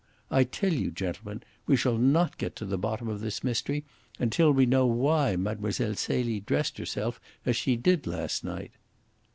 I tell you, gentlemen, we shall not get to the bottom of this mystery until we know why Mlle. Celie dressed herself as she did last night."